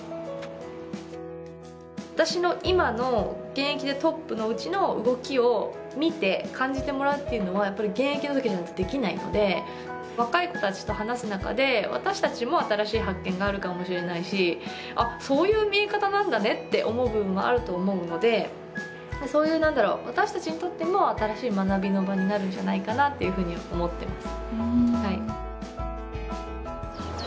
私の今の現役でトップのうちの動きを見て感じてもらうというのはやっぱり現役のときじゃないとできないので若い子たちと話す中で私たちも新しい発見があるかもしれないしそういう見え方なんだねって思う部分もあると思うのでそういう何だろう私たちにとっても新しい学びの場になるんじゃないかなっていうふうに思ってます